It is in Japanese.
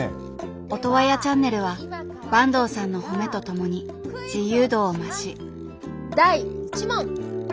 オトワヤチャンネルは坂東さんの褒めと共に自由度を増し第１問！